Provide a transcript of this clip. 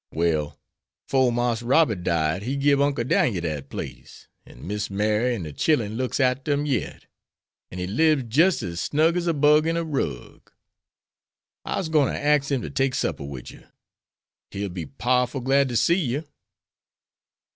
Well, 'fore Marse Robert died he gib Uncle Dan'el dat place, an' Miss Mary and de chillen looks arter him yet; an' he libs jis' as snug as a bug in a rug. I'se gwine ter axe him ter take supper wid you. He'll be powerful glad ter see you."